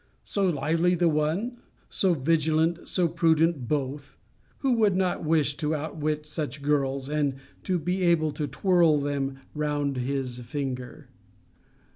So lively the one, so vigilant, so prudent both, who would not wish to outwit such girls, and to be able to twirl them round his finger?